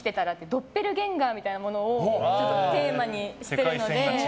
ドッペルゲンガーみたいなものをテーマにしてるので。